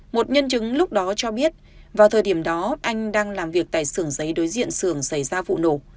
một nhân chứng lúc đó cho biết vào thời điểm đó anh đang làm việc tại sưởng giấy đối diện xưởng xảy ra vụ nổ